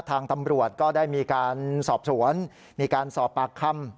ทางตำรวจก็ได้มีการสอบสวนมีการสอบปากคำ